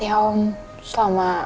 ya om selama